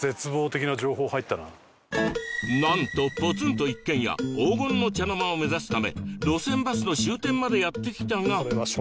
なんとポツンと一軒家黄金の茶の間を目指すため路線バスの終点までやって来たが